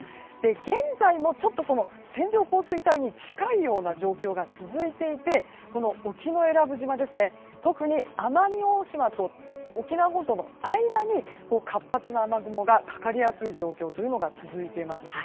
現在もちょっと線状降水帯に近いような状況が続いていて沖永良部島や特に、奄美大島と沖縄本島の間に活発な雨雲がかかりやすい状況が続いています。